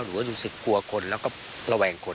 หรือรู้สึกกลัวคนแล้วก็ระวังคน